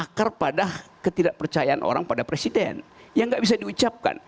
akar pada ketidakpercayaan orang pada presiden yang gak bisa diucapkan